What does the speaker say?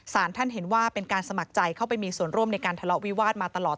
ท่านเห็นว่าเป็นการสมัครใจเข้าไปมีส่วนร่วมในการทะเลาะวิวาสมาตลอด